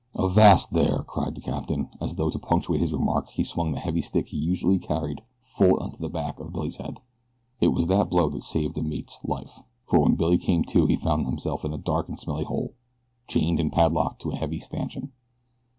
"Avast there!" cried the captain, and as though to punctuate his remark he swung the heavy stick he usually carried full upon the back of Billy's head. It was that blow that saved the mate's life, for when Billy came to he found himself in a dark and smelly hole, chained and padlocked to a heavy stanchion.